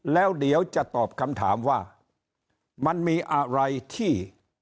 แล้วเดี๋ยวจะตอบคำถามว่ามันมีอะไรที่